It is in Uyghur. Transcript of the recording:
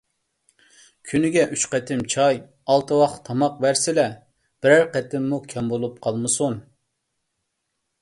كۈنىگە ئۈچ قېتىم چاي، ئالتە ۋاخ تاماق بەرسىلە، بىرەر قېتىممۇ كەم بولۇپ قالمىسۇن.